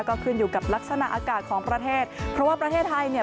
ก็ขึ้นอยู่กับลักษณะอากาศของประเทศเพราะว่าประเทศไทยเนี่ย